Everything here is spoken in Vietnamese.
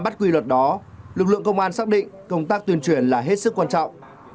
trong đó lực lượng công an xác định công tác tuyên truyền là hết sức quan trọng